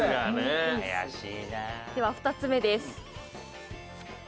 では２つ目です。